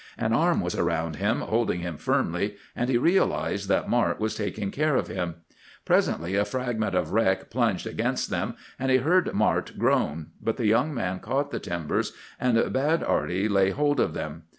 An arm was around him, holding him firmly, and he realized that Mart was taking care of him. Presently a fragment of wreck plunged against them and he heard Mart groan; but the young man caught the timbers, and bade Arty lay hold of them.